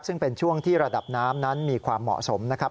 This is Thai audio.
ซึ่งเป็นช่วงที่ระดับน้ำนั้นมีความเหมาะสมนะครับ